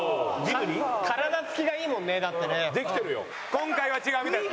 今回は違うみたいです。